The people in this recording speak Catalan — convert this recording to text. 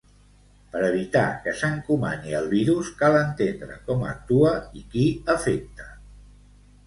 Per evitar que s’encomani el virus cal entendre com actua i qui afecta.